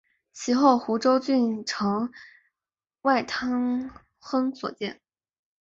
其后湖州郡丞汪泰亨所建。